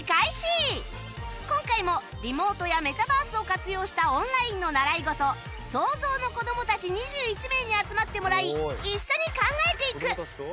今回もリモートやメタバースを活用したオンラインの習い事 ＳＯＺＯＷ の子どもたち２１名に集まってもらい一緒に考えていく